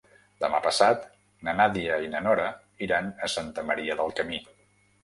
Demà passat na Nàdia i na Nora iran a Santa Maria del Camí.